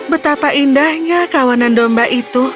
betapa indahnya kawanan domba itu